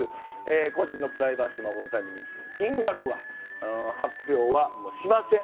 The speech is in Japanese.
個人のプライバシーを守るために金額は発表はしません。